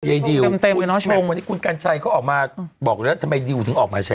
ดิวคุณชมวันนี้คุณกัญชัยเขาออกมาบอกแล้วทำไมดิวถึงออกมาแฉ